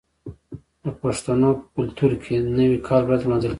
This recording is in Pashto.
د پښتنو په کلتور کې د نوي کال ورځ لمانځل کیږي.